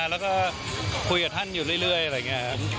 แล้วก็คุยกับท่านอยู่เรื่อยอะไรอย่างนี้ครับ